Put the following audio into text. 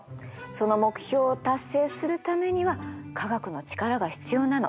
その目標を達成するためには科学の力が必要なの。